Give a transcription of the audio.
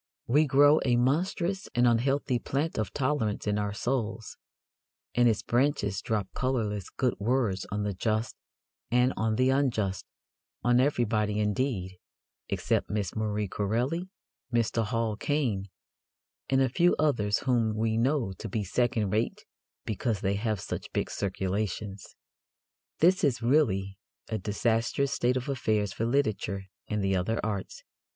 We grow a monstrous and unhealthy plant of tolerance in our souls, and its branches drop colourless good words on the just and on the unjust on everybody, indeed, except Miss Marie Corelli, Mr. Hall Caine, and a few others whom we know to be second rate because they have such big circulations. This is really a disastrous state of affairs for literature and the other arts.